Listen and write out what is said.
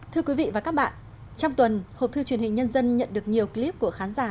thưa quý vị và các bạn trong tuần hộp thư truyền hình nhân dân nhận được nhiều clip của khán giả